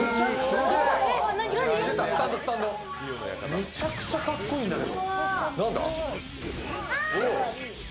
むちゃくちゃかっこいいんだけど。